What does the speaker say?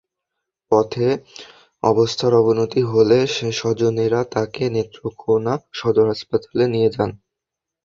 পথে অবস্থার অবনতি হলে স্বজনেরা তাঁকে নেত্রকোনা সদর হাসপাতালে নিয়ে যান।